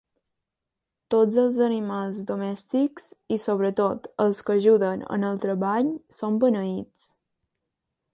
Tots els animals domèstics i, sobretot, els que ajuden en el treball són beneïts.